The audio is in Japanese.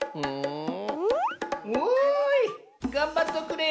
おいがんばっとくれよ。